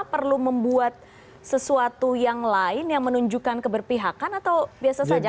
perlu membuat sesuatu yang lain yang menunjukkan keberpihakan atau biasa saja